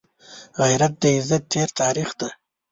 غیرت د عزت تېر تاریخ دی